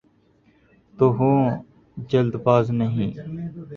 تو ہوں‘ جلد باز نہیں۔